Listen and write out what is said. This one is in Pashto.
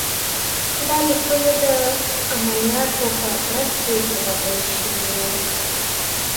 دا لیکونه د عملیاتو په ترڅ کې تبادله شوي وو.